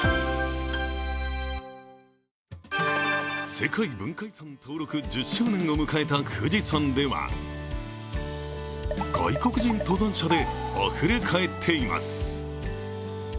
世界文化遺産登録１０周年を迎えた富士山では外国人登山者であふれかえっています。